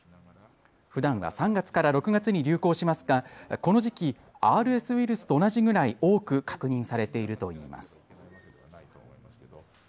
ふだんは３月から６月に流行しますが、この時期ＲＳウイルスと同じぐらい多く確認されているといいます。